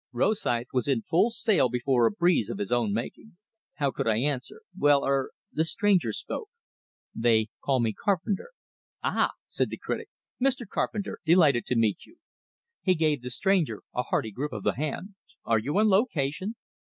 Rosythe was in full sail before a breeze of his own making. How could I answer. "Why er " The stranger spoke. "They call me Carpenter." "Ah!" said the critic. "Mr. Carpenter, delighted to meet you." He gave the stranger a hearty grip of the hand. "Are you on location?"